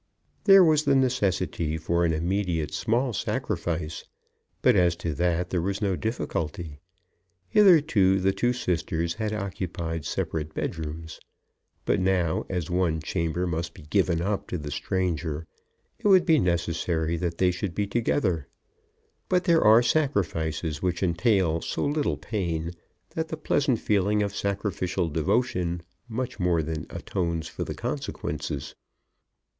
There was the necessity for an immediate small sacrifice, but as to that there was no difficulty. Hitherto the two sisters had occupied separate bedrooms, but now, as one chamber must be given up to the stranger, it would be necessary that they should be together. But there are sacrifices which entail so little pain that the pleasant feeling of sacrificial devotion much more than atones for the consequences.